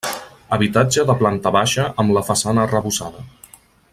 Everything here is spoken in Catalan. Habitatge de planta baixa amb la façana arrebossada.